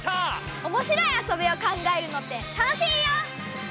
おもしろいあそびを考えるのって楽しいよ！